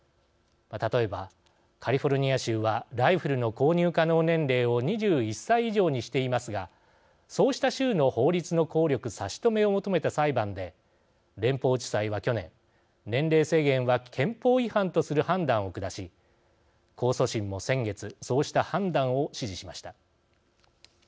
例えば、カリフォルニア州はライフルの購入可能年齢を２１歳以上にしていますがそうした州の法律の効力差し止めを求めた裁判で連邦地裁は去年年齢制限は憲法違反とする判断を下し、控訴審も先月そうした判断を支持しました。